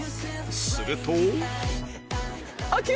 すると